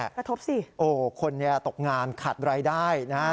กระทบสิโอ้คนเนี่ยตกงานขาดรายได้นะฮะ